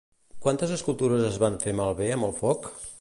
Quantes escultures es van fer malbé amb el foc?